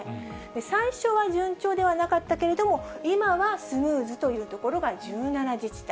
最初は順調ではなかったけれども、今はスムーズという所が１７自治体。